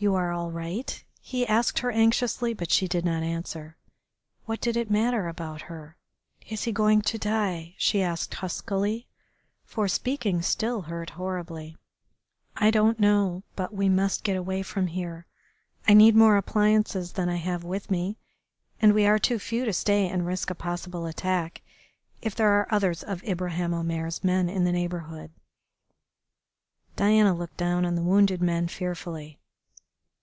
"You are all right?" he asked anxiously, but she did not answer. What did it matter about her? "Is he going to die?" she said huskily, for speaking still hurt horribly. "I don't know but we must get away from here. I need more appliances than I have with me, and we are too few to stay and risk a possible attack if there are others of Ibraheim Omair's men in the neighbourhood." Diana looked down on the wounded man fearfully.